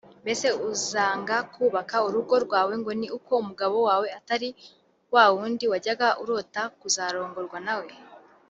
Mbese uzanga kubaka urugo rwawe ngo ni uko umugabo wawe atari wa wundi wajyaga urota kuzarongorwa na we